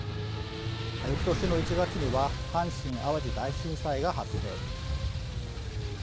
翌年の１月には阪神淡路大震災が発生。